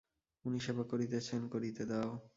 উনি সেবা করিতেছেন, করিতে দাও।